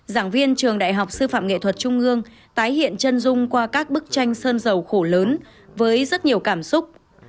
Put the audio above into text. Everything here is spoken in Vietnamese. giảng viên trường đại học sư phạm nghệ thuật trung ương tái hiện chân dung qua các bức tranh sơn dầu khổ lớn với rất nhiều cảm xúc